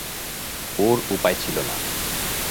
ওর উপায় ছিল না।